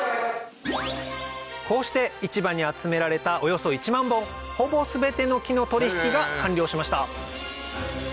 こうして市場に集められたおよそ１万本ほぼ全ての木の取引が完了しました